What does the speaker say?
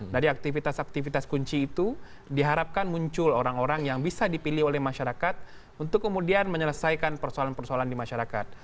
dari aktivitas aktivitas kunci itu diharapkan muncul orang orang yang bisa dipilih oleh masyarakat untuk kemudian menyelesaikan persoalan persoalan di masyarakat